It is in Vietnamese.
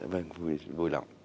vâng vui lòng